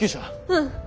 うん。